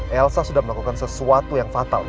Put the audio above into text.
elsa sudah melakukan sesuatu yang fatal